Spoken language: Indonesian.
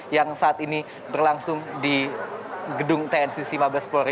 yang saat ini berlangsung di gedung tncc mabes polri